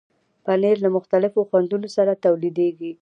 پنېر له مختلفو خوندونو سره تولیدېږي.